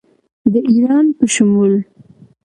د ایران په شمول